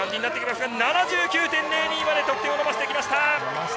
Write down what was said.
７９．０２まで得点を伸ばしてきました。